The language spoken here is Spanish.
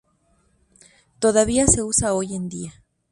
Todavía se usa hoy en día.